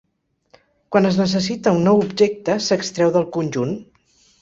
Quan es necessita un nou objecte, s'extreu del conjunt.